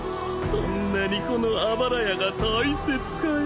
そんなにこのあばら家が大切かえ？